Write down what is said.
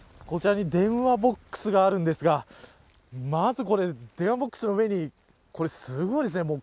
こちらに電話ボックスがあるんですがまずこれ電話ボックスの上にすごいですね。